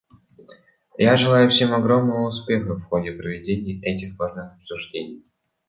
Я желаю всем огромного успеха в ходе проведения этих важных обсуждений.